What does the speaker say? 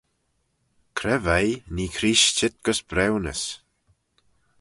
Cre veih nee Creest çheet gys briwnys?